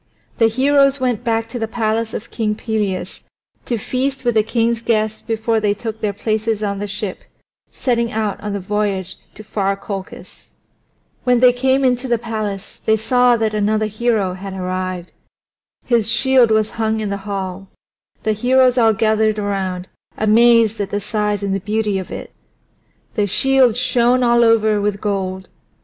The heroes went back to the palace of King Pelias to feast with the king's guests before they took their places on the ship, setting out on the voyage to far Colchis. When they came into the palace they saw that another hero had arrived. His shield was hung in the hall; the heroes all gathered around, amazed at the size and the beauty of it. The shield shone all over with gold.